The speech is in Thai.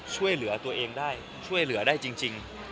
ช่วยเหลือตัวเองได้ช่วยเหลือได้จริง